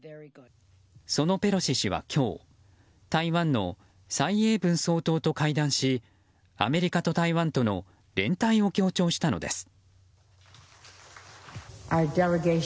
そのペロシ氏は今日台湾の蔡英文総統と会談しアメリカと台湾との連帯を強調したのです。